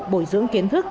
bồi dưỡng kiến thức